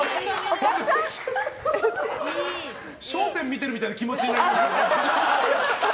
「笑点」見てるみたいな気持ちになる。